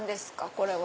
これは。